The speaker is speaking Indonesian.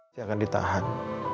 dia akan ditahan